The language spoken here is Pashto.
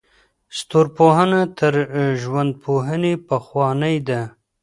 ستورپوهنه تر ژوندپوهنې پخوانۍ ده.